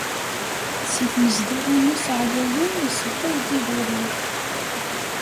Si tnezduɣin-is ɛlayen, issewway-d idurar.